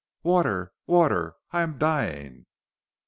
"Water! Water! I am dying!"